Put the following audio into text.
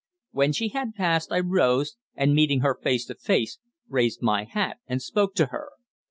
When she had passed, I rose and, meeting her face to face, raised my hat and spoke to her.